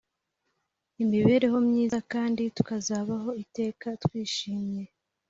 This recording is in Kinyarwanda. imibereho myiza kandi tukazabaho iteka twishimye